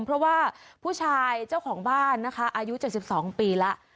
เพราะว่าผู้ชายเจ้าของบ้านนะคะอายุ๗๒ปีแล้ว